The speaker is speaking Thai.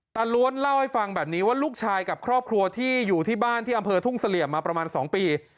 ล้วนเล่าให้ฟังแบบนี้ว่าลูกชายกับครอบครัวที่อยู่ที่บ้านที่อำเภอทุ่งเสลี่ยมมาประมาณ๒ปี